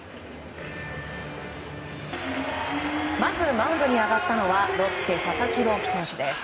まず、マウンドに上がったのはロッテ佐々木朗希投手です。